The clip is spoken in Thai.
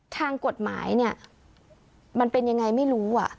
ทางกฎหมายมันเป็นอย่างไรไม่รู้